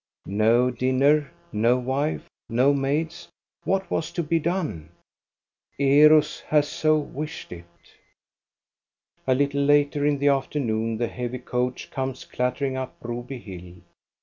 No dinner, no wife, no maids! What was to be done? Eros has so wished it. A little later in the afternoon the heavy coach comes clattering up Broby hill.